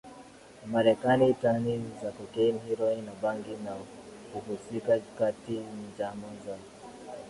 Marekani tani za cocaine heroin na bangi na kuhusika katika njama za